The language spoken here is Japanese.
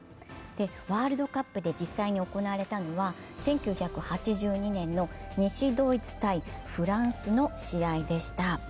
ワールドカップで実際に行われたのは１９８２年の西ドイツ×フランスの試合でした。